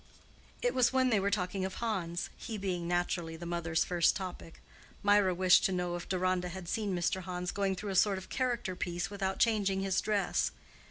It was when they were talking of Hans, he being naturally the mother's first topic. Mirah wished to know if Deronda had seen Mr. Hans going through a sort of character piece without changing his dress.